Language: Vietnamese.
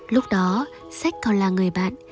lúc đó sách còn là người bạn